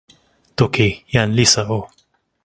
toki, jan Lisa o.